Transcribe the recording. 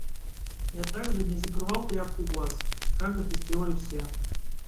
Я также не закрывал тряпкой глаз, как это сделали все.